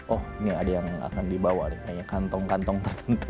oh ini ada yang akan dibawa nih kayaknya kantong kantong tertentu